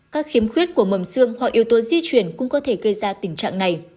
các khiếm khuyết của mầm xương hoặc yếu tố di chuyển cũng có thể gây ra tình trạng này